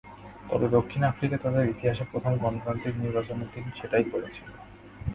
তবে দক্ষিণ আফ্রিকা তাদের ইতিহাসে প্রথম গণতান্ত্রিক নির্বাচনের দিন সেটাই করেছিল।